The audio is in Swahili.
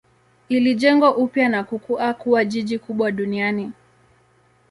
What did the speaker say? Ilijengwa upya na kukua kuwa jiji kubwa duniani.